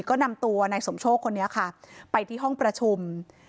ก็นำตัวนายสมโชคคนนี้ค่ะไปที่ห้องประชุม